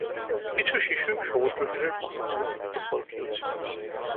কিছু শিশু সমুদ্রতীরের পটভূমিতে ফুটবল খেলছে।